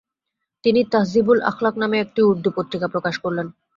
তিনি ‘তাহজিব-উল-আখলাক’ নামে একটি উর্দু পত্রিকা প্রকাশ করেন।